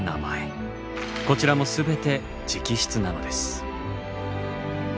こちらも全て直筆なのです。